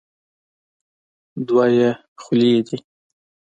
دوه یې خولې دي.